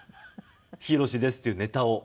「ヒロシです」っていうネタを。